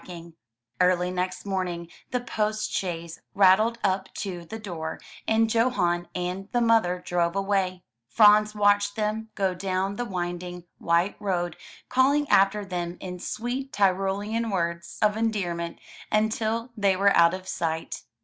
Cook Publishing Co. and the author. io6 THROUGH FAIRY HALLS Early next morning the post chaise rattled up to the door, and Johan and the mother drove away. Franz watched them go down the winding, white road, calling after them in sweet Tyrolean words of endearment until they were out of sight.